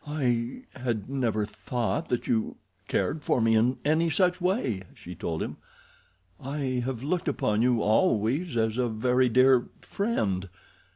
"I had never thought that you cared for me in any such way," she told him. "I have looked upon you always as a very dear friend.